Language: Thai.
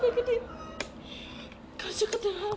ผมรักพ่อผมรักพ่อผมรักตัว